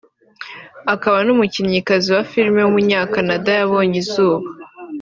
akaba n’umukinnyikazi wa film w’umunyacanada yabonye izuba